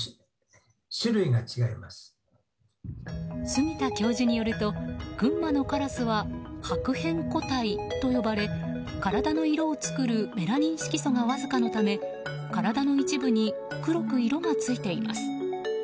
杉田教授によると群馬のカラスは白変個体と呼ばれ体の色を作るメラニン色素がわずかのため体の一部に黒く色がついています。